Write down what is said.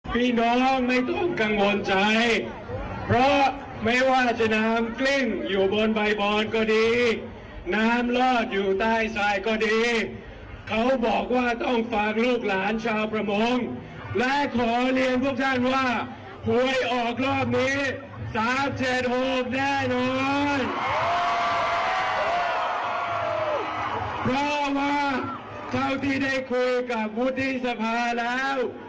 เพราะว่าเท่าที่ได้คุยกับวุฒิพภาแล้ว